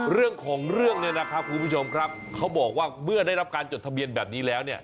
เรื่องของเรื่องเนี่ยนะครับคุณผู้ชมครับเขาบอกว่าเมื่อได้รับการจดทะเบียนแบบนี้แล้วเนี่ย